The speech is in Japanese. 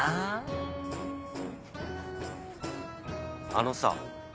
あのさ。